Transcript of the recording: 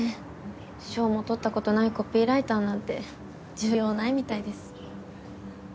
賞も取ったことないコピーライターなんて需要ないみたいです。